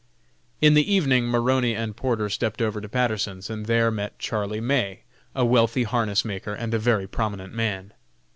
In the evening Maroney and Porter stepped over to Patterson's and there met Charlie May, a wealthy harness maker and a very prominent man.